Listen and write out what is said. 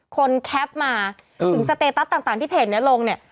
คนแคปมาอืมถึงสเตตัสต่างต่างที่เพจเนี้ยลงเนี้ย